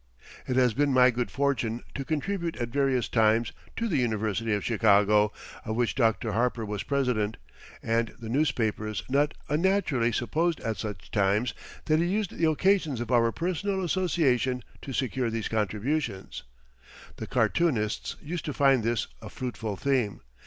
It has been my good fortune to contribute at various times to the University of Chicago, of which Dr. Harper was president, and the newspapers not unnaturally supposed at such times that he used the occasions of our personal association to secure these contributions. The cartoonists used to find this a fruitful theme.